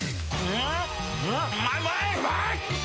うまい！！